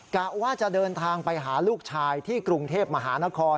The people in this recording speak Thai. กะว่าจะเดินทางไปหาลูกชายที่กรุงเทพมหานคร